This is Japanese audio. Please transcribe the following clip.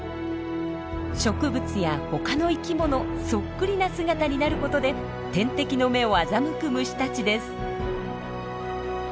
植物や他の生き物そっくりな姿になることで天敵の目を欺く虫たちです。